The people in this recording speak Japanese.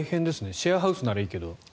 シェアハウスならいいけど。